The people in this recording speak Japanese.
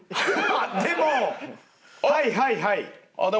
でもはいはいはい。